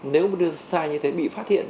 nếu sai như thế bị phát hiện